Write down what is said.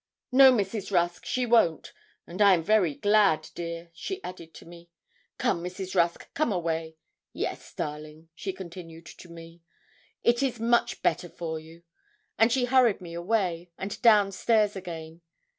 'No, Mrs. Rusk, she won't; and I am very glad, dear,' she added to me. 'Come, Mrs. Rusk, come away. Yes, darling,' she continued to me, 'it is much better for you;' and she hurried me away, and down stairs again.